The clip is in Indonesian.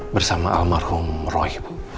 bersama almarhum roy